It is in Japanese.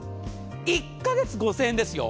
１か月５０００円ですよ？